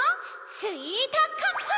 スイートカップ！